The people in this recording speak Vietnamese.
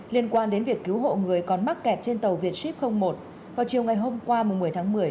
liên quan đến việc cứu hộ người còn mắc kẹt trên tàu vietship một vào chiều ngày hôm qua một mươi tháng một mươi